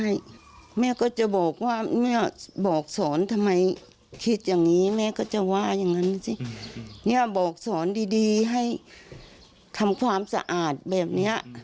เอ๊ะหลากสอนดีให้เถ้งสณภัยได้ให้ทำความสะอาดแบบนี้